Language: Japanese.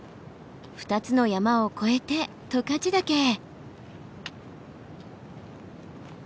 ２つの山を越えて十勝岳へ。